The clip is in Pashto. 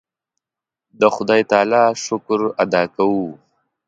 د خدای تعالی شکر ادا کوو.